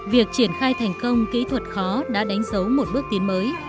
việc triển khai thành công kỹ thuật khó đã đánh dấu một bước tiến mới